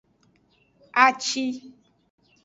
Aci.